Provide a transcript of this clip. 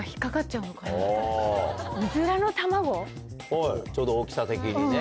はいちょうど大きさ的にね。